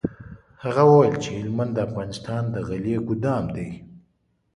هغه وویل چي هلمند د افغانستان د غلې ګودام دی.